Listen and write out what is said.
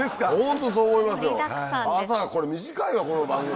朝これ短いよこの番組。